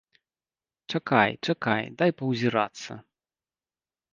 Чакай, чакай, дай паўзірацца.